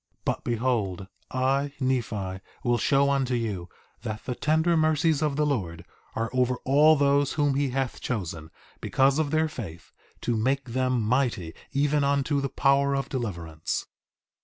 But behold, I, Nephi, will show unto you that the tender mercies of the Lord are over all those whom he hath chosen, because of their faith, to make them mighty even unto the power of deliverance.